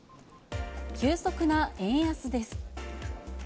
急速な円安です。